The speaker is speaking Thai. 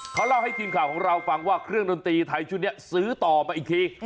เขาเล่าให้ทีมข่าวของเราฟังว่าเครื่องดนตรีไทยชุดนี้ซื้อต่อมาอีกที